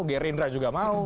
gerindra juga mau